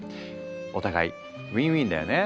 お互いウィンウィンだよね。